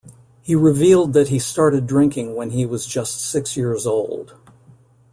He revealed that he started drinking when he was just six years old.